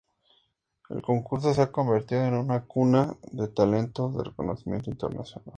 El concurso se ha convertido en una "cuna de talentos" de reconocimiento internacional.